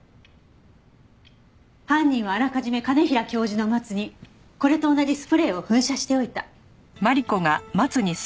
犯人はあらかじめ兼平教授のマツにこれと同じスプレーを噴射しておいた。